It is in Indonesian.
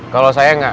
kalau saya gak